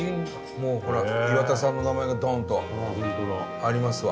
もうほら岩田さんの名前がドンとありますわ。